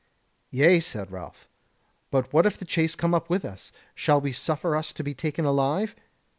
"Yea," said Ralph, "but what if the chase come up with us: shall we suffer us to be taken alive?"